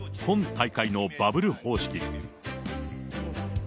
今大会のバブル方式。